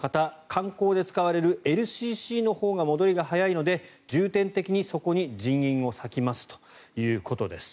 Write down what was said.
観光で使われるＬＣＣのほうが戻りが早いので重点的にそこに人員を割きますということです。